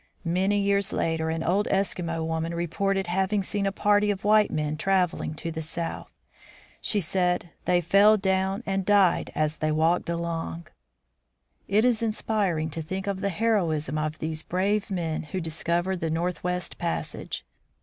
Many years later an old Eskimo woman reported having seen a party of white men traveling to the south. She said, "They fell down and died as they walked along." It is 30 THE FROZEN NORTH inspiring to think of the heroism of these brave men who discovered the northwest passage.